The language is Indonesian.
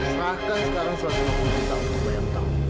serahkan sekarang selama sepuluh juta untuk bayar hutang